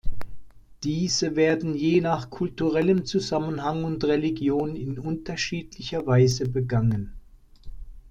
Diese werden je nach kulturellem Zusammenhang und Religion in unterschiedlicher Weise begangen.